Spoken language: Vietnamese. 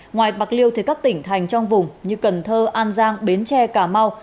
ngoài bạc liêu thì các tỉnh thành trong vùng như cần thơ an giang bến tre cà mau